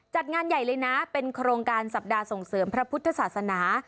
จัดงานใหญ่เลยนะเป็นโครงการสัปดาห์ส่งเสริมพระพุทธศาสนา